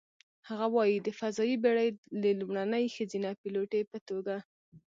هغه وايي: "د فضايي بېړۍ د لومړنۍ ښځینه پیلوټې په توګه،